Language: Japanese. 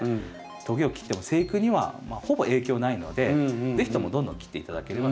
トゲを切っても生育にはほぼ影響ないので是非ともどんどん切って頂ければと思います。